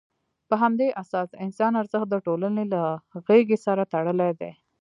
په همدې اساس، د انسان ارزښت د ټولنې له غېږې سره تړلی دی.